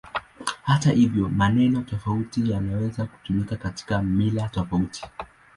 Hata hivyo, maneno tofauti yanaweza kutumika katika mila tofauti.